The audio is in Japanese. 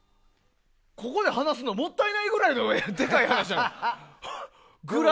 ここで話すのもったいないぐらいのでかい話やな。